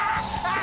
あ！